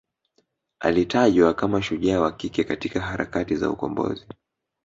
alitajwa kama shujaa wa kike katika harakati za ukombozi